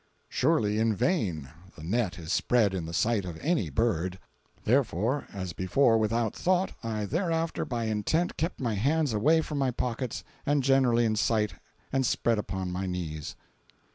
"Surely in vain the net is spread in the sight of any bird." Therefore, as before without thought, I thereafter by intent kept my hands away from my pockets, and generally in sight and spread upon my knees.